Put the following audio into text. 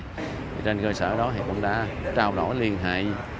trên cơ sở đó thì cũng đã trao đổi liên hệ